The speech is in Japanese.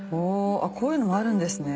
こういうのもあるんですね。